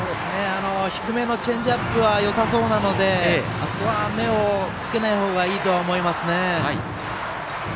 低めのチェンジアップはよさそうなので、あそこは目を付けない方がいいとは思いますね。